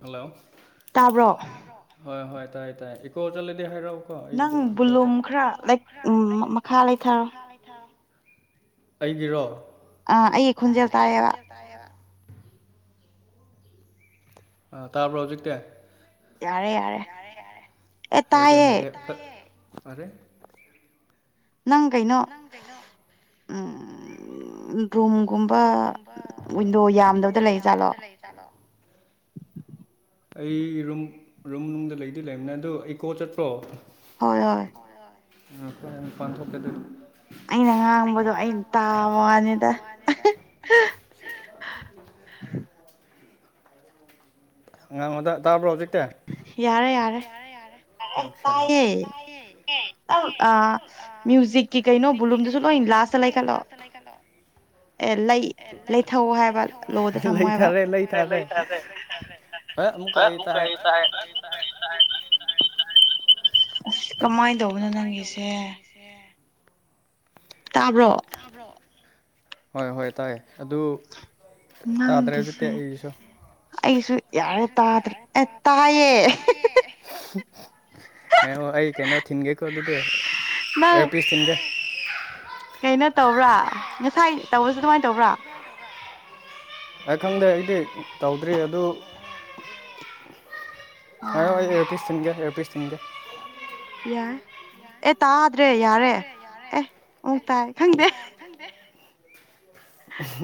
hello ꯇꯥꯕ꯭ꯔꯣ ꯍꯣꯢ ꯍꯣꯢ ꯇꯥꯏ ꯇꯥꯏ ꯏꯀꯣ ꯆꯠꯂꯗꯤ ꯍꯥꯏꯔꯛꯑꯣ ꯅꯪ ꯚꯣꯂꯨꯝ ꯈꯔ ꯃꯈꯥ ꯂꯩꯊꯧ ꯑꯩꯒꯤꯔꯣ ꯑꯥ ꯑꯩꯒꯤ ꯈꯣꯟꯖꯦꯜ ꯑꯩ ꯇꯥꯏꯌꯦꯕ ꯈꯣꯟꯖꯦꯜ ꯇꯥꯢꯌꯦꯕ ꯑ ꯇꯥꯕ꯭ꯔꯣ ꯍꯧꯖꯤꯛꯇꯤ ꯌꯥꯔꯦ ꯌꯥꯔꯦ ꯑꯦ ꯇꯥꯏꯌꯦ ꯐꯔꯦ ꯅꯪ ꯀꯩꯅꯣ ꯅꯪ ꯀꯩꯅꯣ ꯎꯝ ꯔꯨꯝꯒꯨꯝꯕ ꯋꯤꯟꯗꯣ ꯌꯥꯝꯗꯕꯗ ꯂꯩ ꯖꯥꯠꯂꯣ ꯂꯩ ꯖꯥꯠꯂꯣ ꯑꯩ ꯔꯨꯝ ꯔꯨꯝ ꯗꯗꯤ ꯂꯩꯗꯤ ꯂꯩꯕꯅꯦ ꯑꯗꯨ ꯏꯀꯣ ꯆꯠꯄ꯭ꯔꯣ ꯍꯣꯏ ꯍꯣꯏ ꯃꯄꯥꯟ ꯊꯣꯛꯀꯦ ꯑꯗꯨꯗꯤ ꯑꯩꯅ ꯉꯥꯡꯕꯗꯣ ꯑꯩꯅ ꯇꯥꯕ ꯋꯥꯅꯤꯗ ꯉꯥꯡꯉꯣꯗ ꯇꯥꯕ꯭ꯔꯣ ꯍꯧꯖꯤꯛꯇꯤ ꯌꯥꯔꯦ ꯌꯥꯔꯦ ꯌꯥꯔꯦ ꯑꯠꯁꯥ ꯇꯥꯏꯌꯦ ꯑ ꯃ꯭ꯌꯨꯖꯤꯛꯀꯤ ꯀꯩꯅꯣ ꯕꯨꯂꯨꯝꯗꯨꯁꯨ ꯂꯣꯢ ꯂꯥꯁꯇ ꯂꯩꯈꯠꯂꯣ ꯑꯦ ꯂꯩ ꯂꯩꯊꯧꯑꯣ ꯍꯥꯏꯕ ꯂꯣꯗ ꯊꯝꯃꯣ ꯍꯥꯏꯕ ꯂꯩꯊꯔꯦ ꯂꯩꯊꯔꯦ ꯑꯦ ꯑꯃꯨꯛꯀ ꯑꯩ ꯀꯔꯤ ꯇꯥꯏ ꯀꯃꯥꯏꯅ ꯇꯧꯕꯅꯣ ꯀꯃꯥꯏꯅ ꯅꯪꯒꯤꯁꯦ ꯇꯧꯕꯅꯣ ꯅꯪꯒꯤꯁꯦ ꯇꯥꯕ꯭ꯔꯣ ꯍꯣꯏ ꯍꯣꯏ ꯇꯥꯏꯌꯦ ꯑꯗꯨ ꯇꯥꯗ꯭ꯔꯦ ꯍꯧꯖꯤꯛꯇꯤ ꯅꯪꯒꯤꯁꯦ ꯑꯩꯒꯤꯁꯨ ꯑꯩꯁꯨ ꯌꯥꯔꯦ ꯇꯥꯗ꯭ꯔꯦ ꯑꯦ ꯇꯥꯏꯌꯦ ꯉꯥꯢꯈꯣ ꯑꯩ ꯀꯩꯅꯣ ꯊꯤꯟꯒꯦꯀꯣ ꯑꯗꯨꯗꯤ ꯅꯪ ꯑꯦꯌꯥꯔꯄꯤꯁ ꯊꯤꯟꯒꯦ ꯀꯩꯅꯣ ꯇꯧꯕ꯭ꯔꯥ ꯉꯁꯥꯏ ꯇꯧꯕꯁꯨ ꯑꯗꯨꯃꯥꯏꯅ ꯇꯧꯕ꯭ꯔꯥ ꯑꯩ ꯈꯪꯗ꯭ꯔꯦ ꯑꯩꯗꯤ ꯇꯧꯗ꯭ꯔꯦ ꯑꯗꯨ ꯄꯥꯏꯌꯨ ꯑꯩ ꯑꯣ ꯑꯦꯌꯥꯔꯄꯤꯁ ꯊꯤꯟꯒꯦ ꯑꯦꯌꯥꯔ ꯄꯤꯁ ꯊꯤꯟꯒꯦ ꯌꯥꯏ ꯑꯦ ꯇꯥꯗ꯭ꯔꯦ ꯌꯥꯔꯦ ꯑꯦ ꯑꯃꯨꯛ ꯇꯥꯏ ꯈꯪꯗꯦ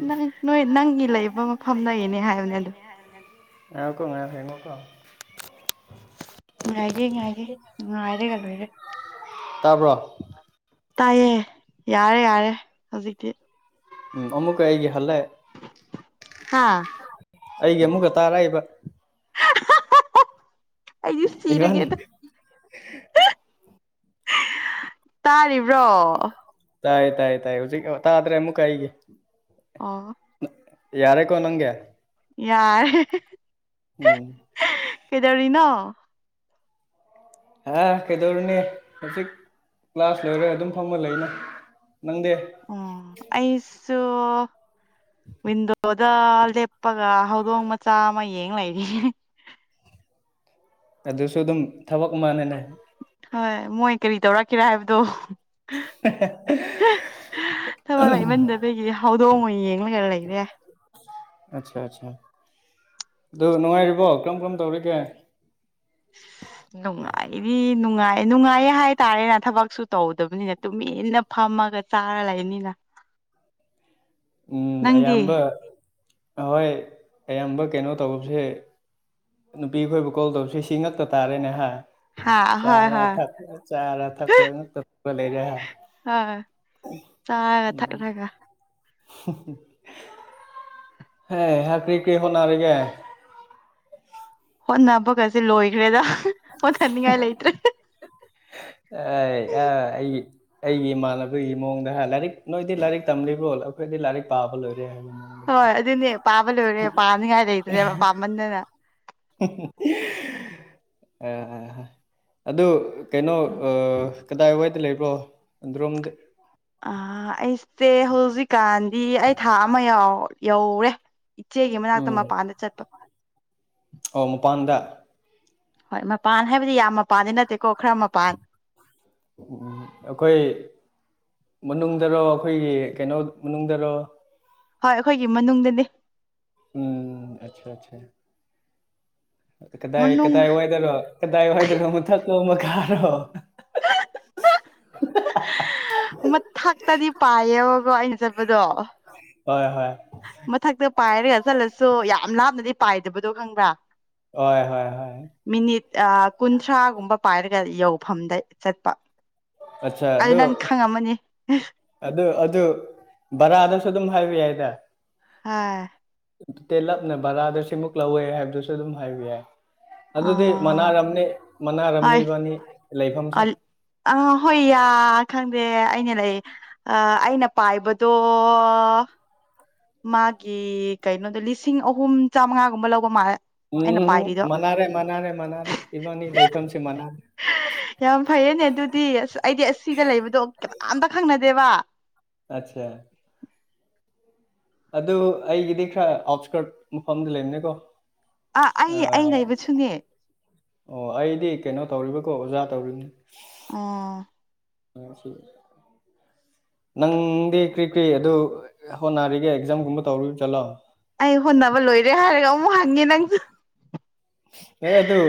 ꯅꯪ ꯅꯣꯏ ꯅꯪꯒꯤ ꯂꯩꯕ ꯃꯐꯝꯒꯤꯅꯦ ꯍꯥꯏꯕꯅꯦ ꯑꯗꯣ ꯉꯥꯢꯎꯀꯣ ꯉꯥꯏꯈꯣꯀꯣ ꯉꯥꯏꯒꯦ ꯉꯥꯏꯒꯦ ꯉꯥꯏꯔꯒ ꯂꯣꯏꯔꯦ ꯇꯥꯕ꯭ꯔꯣ ꯇꯥꯏꯌꯦ ꯌꯥꯔꯦ ꯌꯥꯔꯦ ꯍꯧꯖꯤꯛꯇꯤ ꯎꯝ ꯑꯃꯨꯛꯀ ꯑꯩꯒꯤ ꯍꯜꯂꯛ ꯍꯥꯥ ꯑꯩꯒꯤ ꯑꯃꯨꯛꯀ ꯇꯥꯔꯛꯏꯕ ꯑꯩꯁꯨ ꯏꯕꯥꯅꯤ ꯁꯤꯔꯒꯦꯗ ꯇꯥꯔꯤꯕ꯭ꯔꯣ ꯇꯥꯏ ꯇꯥꯏ ꯇꯥꯏ ꯍꯧꯖꯤꯛ ꯇꯥꯗ꯭ꯔꯦ ꯑꯃꯨꯛꯀꯥ ꯑꯩꯒꯤ ꯑꯣ ꯌꯥꯔꯦꯀꯣ ꯅꯪꯒꯤ ꯌꯥꯔꯦ ꯎꯝ ꯀꯩꯗꯧꯔꯤꯅ‌ꯣ ꯍꯥ ꯀꯩꯗꯧꯔꯨꯅꯤ ꯍꯧꯖꯤꯛ ꯀ꯭ꯂꯥꯁ ꯂ‌ꯣꯏꯔ ꯑꯗꯨꯝ ꯐꯝꯃ ꯂꯩꯗ ꯅꯪꯗꯦ ꯑꯣ ꯑꯩꯁꯨ ꯋꯤꯟꯗꯣꯗ ꯂꯦꯞꯄꯒ ꯍꯧꯗꯣꯡ ꯃꯆꯥ ꯑꯃ ꯌꯦꯡ ꯂꯩꯔꯤ ꯑꯗꯨꯁꯨ ꯑꯗꯨꯝ ꯊꯕꯛ ꯃꯥꯟꯅꯅ ꯍꯣꯏ ꯃꯣꯏ ꯀꯔꯤ ꯇꯧꯔꯛꯀꯦꯔꯥ ꯍꯥꯏꯕꯗꯣ ꯊꯕꯛ ꯂꯩꯃꯟꯗꯕꯒꯤ ꯍꯧꯗꯣꯡ ꯑꯣꯏꯅ ꯌꯦꯡꯂꯒ ꯂꯩꯔꯦ ꯑꯠꯆꯥ ꯑꯠꯆꯥ ꯑꯗꯨ ꯅꯨꯡꯉꯥꯏꯔꯤꯕꯣ ꯀꯔꯝ ꯀꯔꯝ ꯇꯧꯔꯤꯒꯦ ꯅꯨꯡꯉꯥꯏꯔꯤ ꯅꯨꯡꯉꯥꯏ ꯅꯨꯡꯉꯥꯏꯌꯦ ꯍꯥꯏꯇꯥꯔꯦꯅ ꯊꯕꯛꯁꯨ ꯇꯧꯗꯕꯅꯤꯅ ꯇꯨꯃꯤꯟꯅ ꯐꯝꯃꯒ ꯇꯥꯔ ꯂꯩꯅꯤꯅ [inaudible] ꯎꯝ ꯅꯪꯗꯤ ꯑꯌꯥꯝꯕ ꯍꯣꯏ ꯑꯌꯥꯝꯕ ꯀꯩꯅꯣ ꯇꯧꯕꯁꯦ ꯅꯨꯄꯤ ꯈꯣꯏꯕꯨ ꯀꯣꯜ ꯇꯧꯕꯁꯤ ꯁꯤ ꯉꯥꯛꯇ ꯇꯥꯔꯦꯅꯦ ꯍꯥ ꯍꯥ ꯍꯣꯏ ꯆꯥꯔ ꯍꯣꯏ ꯊꯛ ꯆꯥꯔ ꯊꯛꯄ ꯉꯥꯛꯇ ꯇꯧꯔ ꯂꯩꯔꯦ ꯍꯥ ꯍꯣꯏ ꯆꯥꯔꯒ ꯊꯛꯂꯒ [inaudible] ꯍꯦ [unintelligible] ꯀꯔꯤ ꯍꯣꯠꯅꯔꯤꯒꯦ ꯍꯣꯠꯅꯕꯒꯁꯦ ꯂꯣꯏꯈ꯭ꯔꯦꯗ ꯑ ꯍꯣꯠꯅꯅꯤꯡꯉꯥꯏ ꯂꯩꯇ꯭ꯔꯦ ꯑ ꯑꯩ ꯑꯩꯒꯤ ꯏꯃꯥꯟꯅꯕꯒꯤ ꯃꯑꯣꯡꯗ ꯍꯥꯏ ꯂꯥꯏꯔꯤꯛ ꯅꯣꯏꯗꯤ ꯂꯥꯏꯔꯤꯛ ꯇꯝꯂꯤꯕ꯭ꯔꯣ ꯑꯩꯈꯣꯏꯗꯤ ꯂꯥꯏꯔꯤꯛ ꯄꯥꯕ ꯂꯣꯏꯔꯦ ꯍꯥꯏꯕꯅꯤ ꯍꯣꯏ ꯑꯗꯨꯅꯦ ꯄꯥꯕ ꯂꯣꯏꯔꯦ ꯄꯥꯅꯤꯡꯉꯥꯏ ꯂꯩꯇ꯭ꯔꯦ ꯄꯥꯃꯟꯗꯅ ꯑ ꯑ ꯑꯗꯨ ꯀꯩꯅꯣ ꯑ ꯀꯗꯥꯏꯋꯥꯏꯗ ꯂꯩꯕ꯭ꯔꯣ ꯑꯗꯨꯔꯣꯝꯗ ꯑ ꯑꯩꯁꯦ ꯍꯧꯖꯤꯛꯀꯥꯟꯗꯤ ꯑꯩ ꯊꯥ ꯑꯃ ꯌꯧꯔꯦ ꯏꯆꯦꯒꯤ ꯃꯅꯥꯛꯇ ꯎꯝ ꯃꯄꯥꯟꯗ ꯆꯠꯄ ꯑꯣ ꯃꯄꯥꯟꯗ ꯍꯣꯏ ꯃꯄꯥꯟ ꯍꯥꯏꯕꯗꯤ ꯌꯥꯝ ꯃꯄꯥꯟꯗꯤ ꯅꯠꯇꯦꯀꯣ ꯈꯔ ꯃꯄꯥꯟ ꯎꯝ ꯑꯩꯈꯣꯏ ꯃꯅꯨꯡꯗꯔꯣ ꯑꯩꯈꯣꯏꯒꯤ ꯀꯩꯅꯣ ꯃꯅꯨꯡꯗꯔꯣ ꯍꯣꯏ ꯑꯩꯈꯣꯏꯒꯤ ꯃꯅꯨꯡꯗꯅꯦ ꯎꯝ ꯑꯆꯥ ꯑꯆꯥ ꯀꯗꯥꯏ ꯃꯅꯨꯡ ꯀꯗꯥꯏ ꯋꯥꯏꯗꯔꯣ ꯀꯗꯥꯏ ꯋꯥꯏꯗꯔꯣ ꯃꯊꯛꯂꯣ ꯃꯈꯥꯔꯣ ꯃꯊꯛꯇꯗꯤ ꯄꯥꯏꯌꯦꯕꯀꯣ ꯑꯩꯅ ꯆꯠꯄꯗꯣ ꯍꯣꯏ ꯍꯣꯏ ꯃꯊꯛꯇ ꯄꯥꯏꯔꯒ ꯆꯠꯂꯁꯨ ꯌꯥꯝ ꯂꯥꯞꯅꯗꯤ ꯄꯥꯏꯗꯕꯗꯣ ꯈꯪꯕ꯭ꯔꯥ ꯍꯣꯏ ꯍꯣꯏ ꯍꯣꯏ ꯃꯤꯅꯤꯠ ꯑ ꯀꯨꯟꯊ꯭ꯔꯥꯒꯨꯝꯕ ꯄꯥꯏꯔꯒ ꯌꯧꯐꯝꯗ ꯆꯠꯄ ꯑꯆꯥ ꯑꯗꯨ ꯅꯪ ꯈꯪꯉꯝꯃꯅꯤ ꯑꯗꯨ ꯑꯗꯨ ꯕꯔꯥꯗꯁꯨ ꯑꯗꯨꯝ ꯍꯥꯏꯕ ꯌꯥꯏꯗ ꯍꯣꯏ ꯇꯦꯂꯞꯅ ꯚꯔꯥꯗ ꯁꯤꯃꯨꯛ ꯂꯧꯋꯦ ꯍꯥꯏꯕꯗꯨꯁꯨ ꯑꯗꯨꯝ ꯍꯥꯏꯕ ꯌꯥꯏ ꯑ ꯑꯗꯨꯗꯤ ꯃꯅꯥꯔꯝꯅꯤ ꯃꯅꯥꯔꯝꯅꯤ ꯍꯣꯏ ꯏꯕꯥꯅꯤ ꯂꯩꯐꯝꯁꯦ ꯑ ꯍꯣꯏ ꯌꯥ ꯈꯪꯗꯦ ꯑꯩꯅ ꯂꯩ ꯑ ꯑꯩꯅ ꯄꯥꯏꯕꯗꯣ ꯃꯥꯒꯤ ꯀꯩꯅꯣꯗ ꯂꯤꯁꯤꯡ ꯑꯍꯨꯝ ꯆꯥꯃꯉꯥꯒꯨꯝꯕ ꯂꯧꯕ ꯃꯥꯂꯦ ꯎꯝ ꯃꯥꯟꯅꯥꯔꯦ ꯃꯥꯟꯅꯥꯔꯦ ꯃꯥꯟꯅꯥꯔꯦ ꯏꯕꯥꯅꯤ ꯂꯩꯐꯝꯁꯤ ꯃꯥꯟꯅꯥꯔꯦ ꯌꯥꯝ ꯐꯩꯌꯦꯅꯦ ꯑꯗꯨꯗꯤ ꯑꯁ ꯑꯩꯗꯤ ꯑꯁꯤꯗ ꯂꯩꯕꯗꯣ ꯀꯅꯥꯝꯇ ꯈꯪꯅꯗꯦꯕ ꯑꯆꯥ ꯑꯗꯨ ꯑꯩꯒꯤꯗꯤ ꯈꯔ ꯑꯥꯎꯠꯁꯀꯔꯠ ꯃꯐꯝꯗ ꯂꯩꯕꯅꯦꯀꯣ ꯑꯥ ꯑꯩ ꯑꯩ ꯂꯩꯕ ꯁꯨꯅꯦ ꯑꯣ ꯑꯩꯗꯤ ꯀꯩꯅꯣ ꯇꯧꯔꯤꯕꯀꯣ ꯑꯣꯖꯥ ꯇꯧꯔꯤꯝꯅꯤ ꯑꯥ [unintelligible] ꯅꯪꯗꯤ ꯀ꯭ꯔꯤ ꯀ꯭ꯔꯤ ꯑꯗꯨ ꯍꯣꯠꯅꯔꯤꯒꯦ ꯑꯦꯛꯖꯥꯝꯒꯨꯝꯕ ꯇꯧꯔꯤꯞꯖꯥꯠꯂ ꯑꯩ ꯍꯣꯠꯅꯕ ꯂꯣꯏꯔꯦ ꯍꯥꯏꯔꯒ ꯑꯃꯨꯛ ꯍꯪꯉꯦ ꯅꯪꯁꯨ ꯍꯦ ꯑꯗꯨ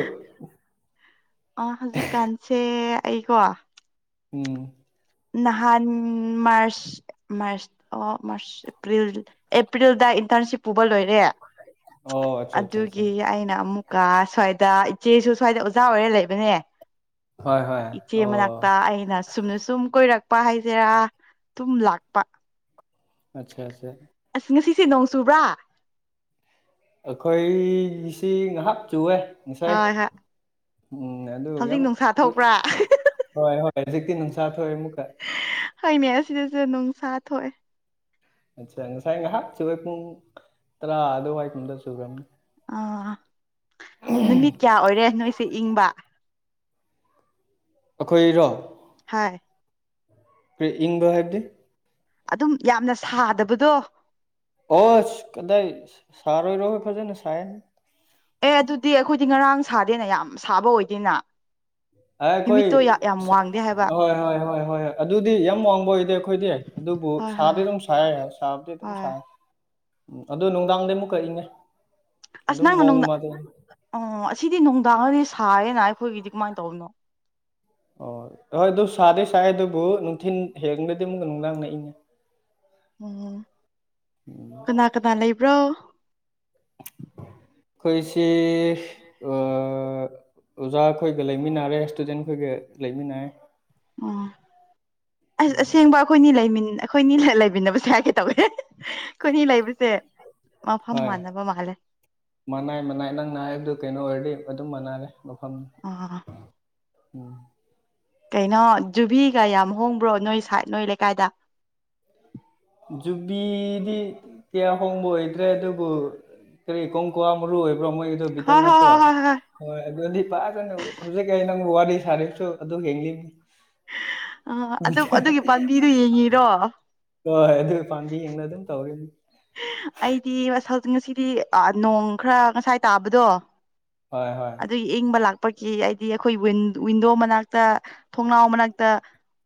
ꯑꯥ ꯍꯧꯖꯤꯛ ꯀꯥꯟꯁꯦ ꯑꯩꯀꯣ ꯎꯝ ꯅꯍꯥꯟ ꯃꯥꯔꯁ ꯃꯥꯔꯁ ꯑꯣ ꯃꯥꯔꯁ ꯑꯦꯄ꯭ꯔꯤꯜ ꯑꯦꯄ꯭ꯔꯤꯜꯗ ꯏꯟꯇꯔꯟꯁꯤꯞ ꯄꯨꯕ ꯂꯣꯏꯔꯦ ꯑꯣ ꯑꯠꯆꯥ ꯑꯠꯆꯥ ꯑꯠꯆꯥ ꯑꯗꯨꯒꯤ ꯑꯩꯅ ꯑꯃꯨꯛꯀ ꯁ꯭ꯋꯥꯏꯗ ꯏꯆꯦꯁꯨ ꯁ꯭ꯋꯥꯏꯗ ꯑꯣꯖꯥ ꯑꯣꯏꯔ ꯂꯩꯕꯅꯦ ꯍꯣꯏ ꯍꯣꯏ ꯏꯆꯦ ꯑꯣ ꯃꯅꯥꯥꯛꯇ ꯑꯩꯅ ꯁꯨꯝꯅ ꯁꯨꯝ ꯀꯣꯏꯔꯛꯄ ꯍꯥꯏꯁꯦꯔꯥ ꯇꯨꯝ ꯂꯥꯛꯄ ꯑꯠꯁꯥ ꯑꯠꯁꯥ ꯑꯁ ꯉꯁꯤꯁꯦ ꯅꯣꯡ ꯆꯨꯕ꯭ꯔꯥ ꯑꯈꯣꯏꯒꯤꯁꯤ ꯉꯥꯍꯥꯛ ꯆꯨꯋꯦ ꯍꯣꯏ ꯍꯥ ꯎꯝ ꯑꯗꯨ ꯌꯥꯝ ꯍꯣꯏ ꯊꯣꯛꯄ꯭ꯔꯥ ꯍꯣꯏ ꯍꯧꯖꯤꯛꯇꯤ ꯅꯨꯡꯁꯥ ꯊꯣꯛꯑꯦ ꯑꯃꯨꯛꯀ ꯍꯣꯏꯅꯦ ꯑꯁꯤꯗꯁꯨ ꯅꯨꯡꯁꯥ ꯊꯣꯑꯦ ꯑꯠꯁꯥ ꯉꯁꯥꯏ ꯉꯥꯍꯥꯛ ꯆꯨꯋꯦ ꯄꯨꯡ ꯇꯔꯥ ꯑꯗꯨꯋꯥꯏ ꯀꯨꯝꯕꯗ ꯆꯨꯔꯝꯅꯤ ꯑꯥ ꯅꯨꯃꯤꯠ ꯀꯌꯥ ꯑꯣꯏꯔꯦ ꯅꯣꯏꯁꯦ ꯏꯪꯕ ꯑꯈꯣꯏꯔꯣ ꯍꯥꯏ ꯀ꯭ꯔꯤ ꯏꯪꯕ ꯍꯥꯏꯕꯗꯤ ꯑꯗꯨꯝ ꯌꯥꯝꯅ ꯁꯥꯗꯕꯗꯣ ꯑꯣꯁ ꯀꯗꯥꯏ ꯁꯥꯔꯣꯏꯔꯣ ꯐꯖꯅ ꯁꯥꯏꯌꯦ ꯑꯦ ꯑꯗꯨꯗꯤ ꯑꯈꯣꯏꯗꯤ ꯉꯔꯥꯡ ꯁꯥꯗꯦꯅꯦ ꯌꯥꯝ ꯁꯥꯕ ꯑꯣꯏꯗꯦꯅ ꯑꯦ ꯑꯈꯣꯏ ꯍ꯭ꯌꯨꯃꯤꯠꯇꯣ ꯌꯥꯝ ꯁ ꯋꯥꯡꯗꯦ ꯍꯥꯏꯕ ꯍꯣꯏ ꯍꯣꯏ ꯍꯣꯏ ꯍꯣꯏ ꯑꯗꯨꯗꯤ ꯌꯥꯝ ꯋꯥꯡꯕ ꯑꯣꯏꯗꯦ ꯑꯈꯣꯏꯗꯤ ꯑꯗꯨꯕꯨ ꯍꯣꯏ ꯁꯥꯗꯤ ꯍꯣꯏ ꯑꯗꯨꯝ ꯁꯥꯏ ꯁꯥꯕꯗꯤ ꯑꯗꯨꯝ ꯍꯣꯏ ꯁꯥꯏ ꯎꯝ ꯑꯗꯣ ꯅꯨꯡꯗꯥꯡꯗꯩ ꯑꯃꯨꯛꯀ ꯏꯪꯉꯦ ꯑꯁ ꯑꯗꯨꯝ ꯅꯪꯅ ꯃꯑꯣꯡ ꯅꯨꯡꯗꯥ ꯑꯃꯗ ꯑꯣ ꯑꯁꯤꯗꯤ ꯅꯨꯡꯗꯥꯡꯗꯗꯤ ꯁꯥꯏꯌꯦꯅ ꯑꯩꯈꯣꯏꯒꯤꯗꯤ ꯀꯃꯥꯏ ꯇꯧꯕꯅꯣ ꯑꯣꯏ ꯍꯣꯏ ꯑꯗꯨ ꯁꯥꯗꯤ ꯁꯥꯏꯌꯦ ꯑꯗꯨꯕꯨ ꯅꯨꯡꯊꯤꯟ ꯍꯦꯟꯒ꯭ꯔꯗꯤ ꯑꯃꯨꯛꯀ ꯅꯨꯡꯗꯥꯡꯅ ꯏꯪꯉꯦ ꯑꯣ ꯀꯅꯥ ꯀꯅꯥ ꯂꯩꯕ꯭ꯔꯣ ꯈꯣꯏꯁꯤ ꯑꯥ ꯑꯣꯖꯥꯈꯣꯏꯒ ꯂꯩꯃꯤꯟꯅꯔꯦ ꯏꯁꯇꯨꯗꯦꯟꯈꯣꯏꯒ ꯂꯩꯃꯤꯟꯅꯩ ꯑꯣ ꯑꯁ ꯑꯁꯦꯡꯕ ꯈꯣꯏꯅꯤ ꯂꯩꯃꯤꯟ ꯑꯈꯣꯏꯅꯤ ꯂꯩꯃꯤꯟꯅꯕꯁꯦ ꯍꯥꯏꯒꯦ ꯇꯧꯋꯦ ꯈꯣꯏꯅꯤ ꯂꯩꯕ ꯁꯦ ꯃꯐꯝ ꯃꯥꯟꯅꯕ ꯃꯥꯜꯂꯦ ꯃꯥꯅꯩ ꯃꯟꯅꯩ ꯅꯪꯅ ꯍꯥꯏꯕꯗꯨ ꯀꯩꯅꯣ ꯑꯣꯏꯔꯗꯤ ꯑꯗꯨꯝ ꯃꯥꯟꯅꯔꯦ ꯃꯐꯝ ꯑꯥ ꯎꯝ ꯀꯩꯅꯣ ꯖꯨꯕꯤꯒ ꯌꯥꯝ ꯍꯣꯡꯕ꯭ꯔꯣ ꯅꯣꯏ ꯁꯥꯏꯠ ꯅꯣꯏ ꯂꯩꯀꯥꯏꯗ ꯖꯨꯨꯕꯤꯗꯤ ꯀꯌꯥ ꯍꯣꯡꯕ ꯑꯣꯏꯗ꯭ꯔꯦ ꯑꯗꯨꯕꯨ ꯀ꯭ꯔꯤ ꯀꯣꯡꯀ꯭ꯋꯥ ꯃꯔꯨ ꯑꯣꯏꯕ꯭ꯔꯣ ꯃꯣꯏꯒꯤ ꯍꯥ ꯍꯥ ꯍꯥꯥ [unintelligible] ꯍꯣꯏ ꯑꯗꯨꯗꯗꯤ ꯐꯖꯅ ꯍꯨꯖꯤꯛ ꯑꯩ ꯅꯪꯕꯨ ꯋꯥꯔꯤ ꯁꯥꯔꯤꯕꯁꯨ ꯑꯗꯨꯒꯤꯅꯤ ꯑ ꯑꯗꯨ ꯑꯗꯨꯒꯤ ꯄꯥꯝꯕꯤꯗꯣ ꯌꯦꯡꯉꯤꯔꯣ ꯍꯣꯏ ꯑꯗꯨ ꯄꯥꯝꯕꯤ ꯌꯦꯡꯉꯒ ꯑꯗꯨꯝ ꯇꯧꯋꯤ ꯑꯩꯗꯤ ꯋꯥꯁ ꯍꯧꯖꯤ ꯉꯁꯤꯗꯤ ꯑꯥ ꯅꯣꯡ ꯈꯔ ꯉꯁꯥꯏ ꯇꯥꯕꯗꯣ ꯍꯣꯏ ꯍꯣꯏ ꯑꯗꯨꯒꯤ ꯏꯪꯕ ꯂꯥꯛꯄꯒꯤ ꯑꯩꯗꯤ ꯑꯩꯈꯣꯏ ꯋꯤꯟ ꯋꯤꯟꯗꯣ ꯃꯅꯥꯛꯇ ꯊꯣꯡꯅꯥꯎ ꯃꯅꯥꯛꯇ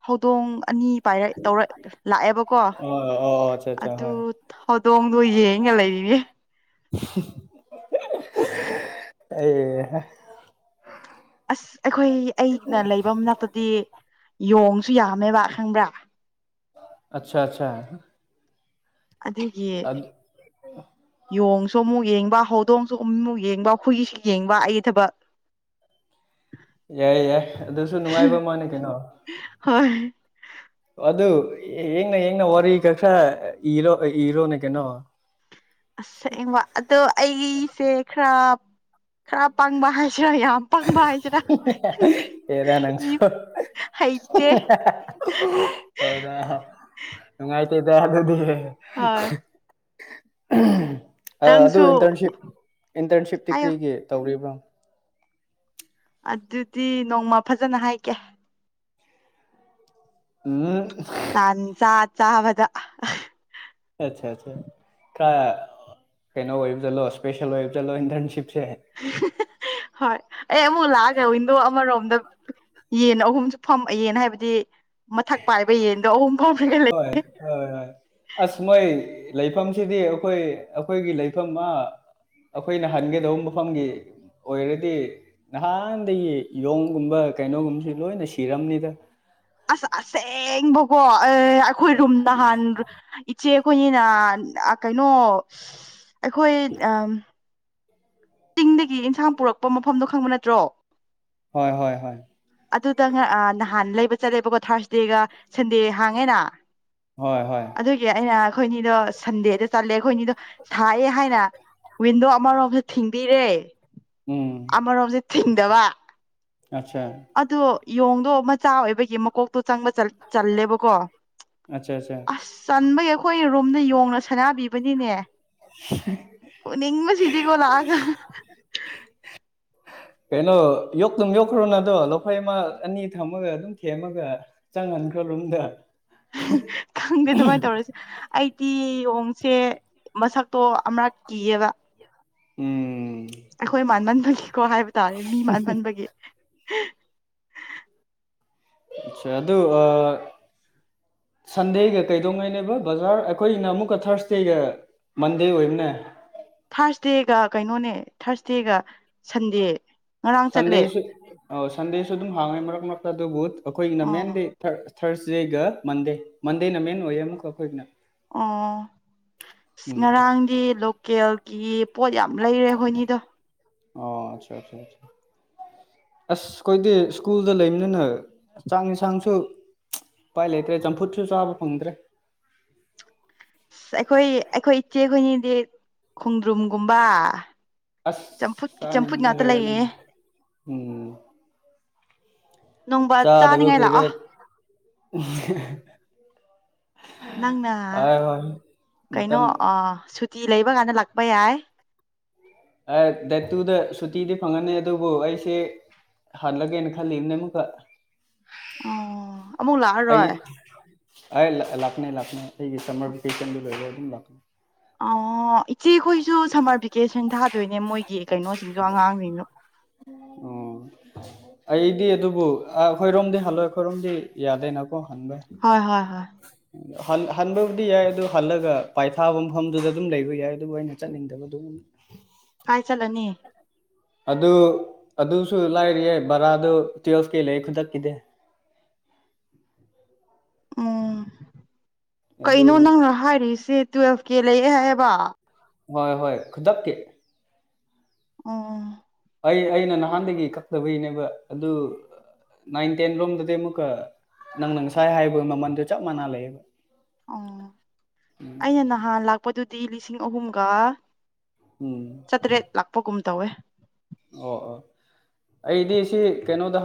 ꯍꯧꯗꯣꯡ ꯑꯅꯤ ꯄꯥꯏꯔꯛ ꯇꯧꯔꯛ ꯂꯥꯛꯑꯦꯕꯀꯣ ꯑꯣ ꯑꯣ ꯑꯠꯆꯥ ꯑꯠꯆꯥ ꯑꯗꯨ ꯍꯣꯏ ꯍꯧꯗꯣꯡꯗꯣ ꯌꯦꯡꯉ ꯂꯩꯔꯤꯅꯦ [unintelligible] ꯑꯩ ꯍꯥ ꯑꯁ ꯑꯩꯈꯣꯏ ꯑꯩꯅ ꯂꯩꯕ ꯃꯅꯥꯛꯇꯗꯤ ꯌꯣꯡꯁꯨ ꯌꯥꯝꯃꯦꯕ ꯈꯪꯕ꯭ꯔꯥ ꯑꯁꯥ ꯁꯥ ꯑꯗꯨꯒꯤ ꯌꯣꯡꯁꯨ ꯑꯃꯨꯛ ꯌꯦꯡꯕ ꯍꯧꯗꯣꯡꯁꯨ ꯑꯃꯨꯛ ꯌꯦꯡꯕ ꯍꯨꯢꯁꯨ ꯌꯦꯡꯕ ꯑꯩꯒꯤ ꯊꯕꯛ ꯌꯥꯏ ꯌꯥꯏ ꯑꯗꯨꯁꯨ ꯅꯨꯡꯉꯥꯏꯕ ꯑꯃꯥꯅꯤ ꯀꯩꯅꯣ ꯍꯣꯏ ꯑꯗꯨ ꯌꯦꯡ ꯌꯦꯡꯅ ꯋꯥꯔꯤ ꯈꯔꯀ ꯏꯔꯣ ꯏꯔꯣꯅꯦ ꯀꯩꯅꯣ ꯑꯁ ꯁꯦꯡꯕ ꯑꯗꯣ ꯑꯩꯁꯦ ꯈꯔ ꯈꯔ ꯄꯡꯕ ꯍꯥꯏꯁꯤꯔꯥ ꯌꯥꯝ ꯄꯪꯕ ꯍꯥꯏꯁꯤꯔꯥ ꯍꯩꯇꯦ ꯍꯦꯔꯥ ꯅꯪꯁꯨ ꯍꯩꯇꯦ ꯍꯣꯢꯗ ꯅꯨꯡꯉꯥꯏꯇꯦꯗ ꯑꯗꯨꯗꯤ ꯍꯣꯏ ꯑ ꯑꯗꯨ ꯅꯪꯁꯨ ꯏꯟꯇꯔꯟꯁꯤꯞ ꯏꯟꯇꯔꯟꯁꯤꯞꯇꯤ ꯍꯥꯏꯌꯣ ꯀꯔꯤꯒꯤ ꯇꯧꯔꯤꯕ꯭ꯔꯣ ꯑꯗꯨꯗꯤ ꯅꯣꯡꯃ ꯐꯖꯅ ꯍꯥꯏꯒꯦ ꯑꯨꯝ ꯇꯟꯖꯥ ꯆꯥꯕꯗ ꯑꯠꯆꯥ ꯆ ꯈ ꯀꯩꯅꯣ ꯑꯣꯏꯕꯗꯂꯣ ꯏꯁꯄꯦꯁꯦꯜ ꯑꯣꯏꯕꯖꯠꯂꯣ ꯏꯟꯇꯔꯟꯁꯤꯞꯁꯦ ꯍꯣꯏ ꯑꯩ ꯑꯃꯨꯛ ꯂꯥꯛꯑꯒꯦ ꯋꯤꯟꯗꯣ ꯑꯃꯔꯣꯝꯗ ꯌꯦꯟ ꯑꯍꯨꯝꯁꯨ ꯐꯝ ꯌꯦꯟ ꯍꯥꯏꯕꯗꯤ ꯃꯊꯛ ꯄꯥꯏꯕ ꯌꯦꯟꯗꯣ ꯑꯍꯨꯝ ꯐꯝꯃꯒ ꯂꯩ ꯍꯣꯏ ꯍꯣꯏ ꯍꯣꯏ ꯑꯁ ꯃꯣꯏ ꯂꯩꯐꯝꯁꯤꯗꯤ ꯑꯈꯣꯏ ꯑꯈꯣꯏꯒꯤ ꯂꯩꯐꯝ ꯑ ꯑꯩꯈꯣꯏꯅ ꯍꯥꯟꯒꯗꯧꯕ ꯃꯐꯝꯒꯤ ꯑꯣꯏꯔꯗꯤ ꯅꯍꯥꯟꯗꯒꯤ ꯌꯣꯡꯒꯨꯝꯕ ꯀꯩꯅꯣꯒꯨꯝꯕꯁꯤ ꯂꯣꯏꯅ ꯁꯤꯔꯝꯅꯤꯗ ꯑꯁ ꯑꯁꯦꯡꯕꯀꯣ ꯑꯩ ꯑꯩꯈꯣꯏ ꯔꯨꯝ ꯅꯍꯥꯟ ꯏꯆꯦ ꯑꯩꯈꯣꯏꯅꯤꯅ ꯑ ꯀꯩꯅꯣ ꯑꯩꯈꯣꯏ ꯑ ꯗꯒꯤ ꯏꯟꯁꯥꯡ ꯄꯨꯔꯛꯄ ꯃꯐꯝꯗꯣ ꯈꯪꯕ ꯅꯠꯇ꯭ꯔꯣ ꯍꯣꯏ ꯍꯣꯏ ꯍꯣꯏ ꯑꯗꯨꯗ ꯑ ꯅꯍꯥꯟ ꯂꯩꯕ ꯆꯠꯂꯦꯕꯀꯣ ꯊꯥꯔꯁꯗꯦꯒ ꯁꯟꯗꯦ ꯍꯥꯡꯉꯦꯅ ꯍꯣꯏ ꯍꯣꯏ ꯑꯗꯨꯒꯤ ꯑꯩꯅ ꯑꯩꯈꯣꯏꯅꯤꯗꯣ ꯁꯟꯗꯦꯗ ꯆꯠꯂꯦ ꯑꯩꯈꯣꯏꯅꯤꯗꯣ ꯁꯥꯢꯑꯦ ꯍꯥꯏꯅ ꯋꯤꯟꯗꯣ ꯑꯃꯔꯣꯝꯗ ꯊꯤꯡꯕꯤꯔꯦ ꯎꯝ ꯑꯃꯔꯣꯝꯗ ꯊꯤꯡꯗꯕ ꯑꯁꯥ ꯑꯗꯣ ꯌꯣꯡꯗꯣ ꯃꯆꯥ ꯑꯣꯏꯕꯒꯤ ꯃꯀꯣꯛꯇꯣ ꯆꯪꯕ ꯆꯜ ꯆꯜꯂꯦꯕꯀꯣ ꯑꯆꯥ ꯑꯆꯥ ꯑꯁ ꯆꯟꯕꯒꯤ ꯑꯩꯈꯣꯏ ꯔꯨꯝꯗ ꯌꯣꯡꯅ ꯁꯅꯥꯕꯤꯕ ꯄꯅꯤꯅꯦ ꯐꯨꯅꯤꯡꯕꯁꯤꯗꯤꯀꯣ ꯂꯥꯁ [unintelligible] ꯀꯩꯅꯣ ꯌꯣꯛꯇꯨꯝ ꯌꯣꯛꯈ꯭ꯔꯣꯅ ꯑꯗꯣ ꯂꯐꯣꯏ ꯑꯃ ꯑꯅꯤ ꯊꯝꯃꯒ ꯑꯗꯨꯝ ꯊꯦꯝꯃꯒ ꯆꯪꯍꯟꯈ꯭ꯔꯣ ꯔꯨꯝꯗ ꯈꯪꯗꯦ ꯑꯗꯨꯃꯥꯏꯅ ꯇꯧꯔꯁꯦ ꯑꯩꯗꯤ ꯌꯣꯡꯁꯦ ꯃꯁꯛ ꯇꯣ ꯑꯃꯔꯛ ꯀꯤꯑꯦꯕ ꯎꯝ ꯑꯩꯈꯣꯏ ꯃꯥꯟꯃꯟꯕꯒꯤꯀꯣ ꯍꯥꯏꯕ ꯇꯥꯔꯦ ꯃꯤ ꯃꯥꯟꯃꯟꯕꯒꯤ ꯑꯆꯥ ꯑꯗꯨ ꯑ ꯁꯟꯗꯦꯒ ꯀꯩꯗꯧꯉꯩꯅꯦꯕ ꯕꯖꯥꯔ ꯑꯩꯈꯣꯏꯅ ꯑꯃꯨꯛꯀ ꯊꯥꯔꯁꯗꯦꯒ ꯃꯟꯗꯦ ꯑꯣꯏꯕꯅꯦ ꯊꯥꯔꯁꯗꯦꯒ ꯀꯩꯅꯣꯅꯦ ꯊꯥꯔꯁꯗꯦꯒ ꯁꯟꯗꯦ ꯉꯔꯥꯡ ꯆꯠꯂꯦ ꯁꯟꯗꯦꯁꯨ ꯑ ꯁꯟꯗꯦꯁꯨ ꯑꯗꯨꯝ ꯍꯥꯡꯉꯦ ꯃꯔꯛ ꯃꯔꯛꯇ ꯑꯗꯨꯕꯨ ꯑꯩꯈꯣꯏꯒꯤꯅ ꯑꯣ ꯃꯦꯟꯗꯤ ꯊꯔꯁꯗꯦꯒ ꯃꯟꯗꯦ ꯃꯟꯗꯦꯅ ꯃꯦꯟ ꯑꯣꯏꯌꯦ ꯑꯃꯨꯛꯀ ꯑꯩꯈꯣꯏꯒꯤꯅ ꯑꯣ ꯎꯝ ꯉꯔꯥꯡꯗꯤ ꯂꯣꯀꯦꯜꯒꯤ ꯄꯣꯠ ꯌꯥꯝ ꯂꯩꯔꯦ ꯑꯩꯈꯣꯏꯅꯤꯗꯣ ꯑꯣ ꯑꯆꯥ ꯑꯆꯥ ꯑꯁ ꯑꯩꯈꯣꯏꯗꯤ ꯁ꯭ꯀꯨꯜꯗ ꯂꯩꯕꯅꯤꯅ ꯆꯥꯛ ꯌꯦꯟꯁꯥꯡꯁꯨ ꯎꯄꯥꯏ ꯂꯩꯇ꯭ꯔꯦ ꯆꯝꯐꯨꯠꯁꯨ ꯆꯥꯕ ꯐꯪꯗ꯭ꯔꯦ [inaudible] ꯑ ꯑꯩꯈꯣꯏ ꯑꯩꯈꯣꯏ ꯏꯆꯦꯈꯣꯏꯅꯤꯗꯤ ꯈꯣꯡꯗ꯭ꯔꯨꯝꯒꯨꯝꯕ ꯑꯁ ꯆꯝꯐꯨꯠꯀꯤ ꯆꯝꯐꯨꯠ ꯆꯥꯅꯤꯡꯕꯅ ꯉꯥꯛꯇ ꯂꯣꯏꯔꯦ ꯑꯗꯨꯝ ꯂꯩꯌꯦ ꯎꯝ ꯅꯣꯡꯃ ꯆꯥꯗꯕ ꯆꯥꯅꯤꯡꯉꯥꯏ ꯀꯨꯏꯔꯦ ꯂꯥꯛꯑꯣ ꯅꯪꯅ ꯍꯣꯏ ꯍꯣꯏ ꯀꯩꯅꯣ ꯃꯇꯝ ꯁꯨꯇꯤ ꯂꯩꯕ ꯀꯥꯟꯗ ꯂꯥꯛꯄ ꯌꯥꯏ ꯗꯦꯠ ꯇꯨꯗ ꯁꯨꯇꯤꯗꯤ ꯐꯪꯒꯅꯤ ꯑꯗꯨꯕꯨ ꯑꯩꯁꯦ ꯍꯜꯂꯒꯦꯅ ꯈꯜꯂꯤꯕꯅꯦ ꯑꯃꯨꯛꯒ ꯑꯣ ꯑꯃꯨꯛ ꯂꯥꯛꯑꯔꯣꯏ ꯑꯩ ꯂꯥꯛꯒꯅꯤ ꯂꯥꯛꯒꯅꯤ ꯑꯩꯒꯤ ꯁꯝꯃꯔ ꯚꯦꯀꯦꯁꯟꯗꯨ ꯂꯣꯏꯔꯒ ꯑꯗꯨꯝ ꯂꯥꯛꯄꯒꯤ ꯑꯣ ꯏꯆꯦꯈꯣꯏꯁꯨ ꯁꯝꯃꯔ ꯚꯦꯀꯦꯁꯟ ꯊꯥꯗꯣꯏꯅꯦ ꯃꯣꯏꯒꯤ ꯀꯩꯅꯣꯁꯤꯡꯁꯨ ꯑꯉꯥꯡꯁꯤꯡꯗꯣ ꯑꯣ ꯑꯩꯗꯤ ꯑꯗꯨꯕꯨ ꯑꯩꯈꯣꯏꯔꯣꯝꯗꯤ ꯍꯜꯂꯣꯏ ꯑꯩꯈꯣꯏꯔꯣꯝꯗꯤ ꯌꯥꯗꯦꯅꯀꯣ ꯍꯟꯕ ꯍꯣꯏ ꯍꯣꯏ ꯍꯣꯏ ꯍꯟꯕꯕꯨꯗꯤ ꯌꯥꯏ ꯑꯗꯨ ꯍꯜꯂꯒ ꯄꯥꯏꯊꯥꯕ ꯃꯐꯝꯗꯨꯗ ꯑꯗꯨꯝ ꯂꯩꯕ ꯌꯥꯏ ꯑꯗꯨꯕꯨ ꯑꯩꯅ ꯆꯠꯅꯤꯡꯗꯕ ꯑꯗꯨꯝ ꯀꯥꯢ ꯆꯠꯂꯅꯤ ꯑꯗꯨ ꯑꯗꯨꯁꯨ ꯂꯥꯏꯔꯤꯌꯦ ꯕꯔꯥꯗꯨ ꯇꯨꯌꯦꯜꯐꯀꯦ ꯂꯩꯌꯦ ꯈꯨꯗꯛꯀꯤꯗꯤ ꯎꯝ ꯑꯗꯨ ꯀꯩꯅꯣ ꯅꯪꯅ ꯍꯥꯏꯔꯤꯁꯦ ꯇꯨꯌꯦꯦꯜꯐ ꯀꯦ ꯂꯩꯑꯦ ꯍꯥꯏꯌꯦꯕ ꯍꯣꯏ ꯍꯣꯏ ꯈꯨꯗꯛꯀꯤ ꯎꯝ ꯎꯝ ꯑꯩ ꯑꯩꯅ ꯅꯍꯥꯟꯗꯒꯤ ꯀꯛꯇꯕꯩꯅꯦꯕ ꯑꯗꯨ ꯅꯥꯏꯟ ꯇꯦꯟ ꯔꯣꯝꯗꯗꯤ ꯑꯃꯨꯛꯀ ꯅꯪꯅ ꯉꯁꯥꯏ ꯍꯥꯏꯕ ꯃꯃꯟꯗꯣ ꯆꯞ ꯃꯥꯟꯅ ꯂꯩꯌꯦꯕ ꯑꯣ ꯑꯩꯅ ꯅꯍꯥꯟ ꯂꯥꯛꯄꯗꯨꯗꯤ ꯂꯤꯁꯤꯡ ꯑꯍꯨꯝꯒ ꯎꯝ ꯀꯥ ꯇꯔꯦꯠ ꯂꯥꯛꯄꯒꯨꯝ ꯇꯧꯋꯦ ꯑꯣ ꯑꯣ ꯑꯩꯗꯤ ꯁꯤ ꯀꯩꯅꯣꯗ